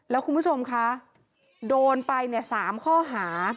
แล้วคุณผู้ชมคะโดนไป๓ข้อหา